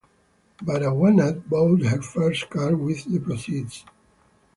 Baragwanath bought her first car with the proceeds.